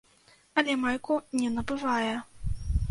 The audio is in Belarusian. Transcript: Але майку не набывае.